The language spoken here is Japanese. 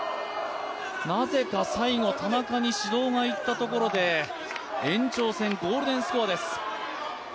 なぜか、最後田中に指導がいったところで延長戦、ゴールデンスコアです。